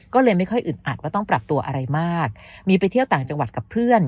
ก็เลยไม่ค่อยอึดอัดว่าต้องปรับตัวอะไรมากมีไปเที่ยวต่างจังหวัดกับเพื่อน